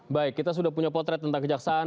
baik kita sudah punya potret tentang kejaksaan